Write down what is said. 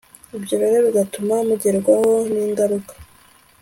Ibyo rero bigatuma mugerwaho ningaruka